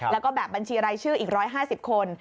แล้วก็แบบบัญชีรายชื่ออีก๑๕๐คน